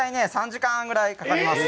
３時間ぐらいかかります。